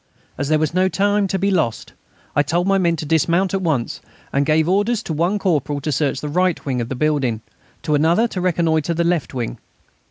As there was no time to be lost, I told my men to dismount at once, and gave orders to one corporal to search the right wing of the building, to another to reconnoitre the left wing.